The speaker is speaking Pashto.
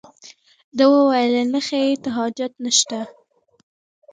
ده وویل نخښې ته حاجت نشته.